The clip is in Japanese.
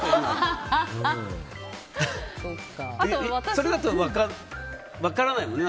それだと分からないもんね。